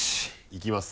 いきます。